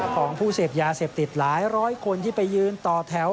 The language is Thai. ของผู้เสพยาเสพติดหลายร้อยคนที่ไปยืนต่อแถว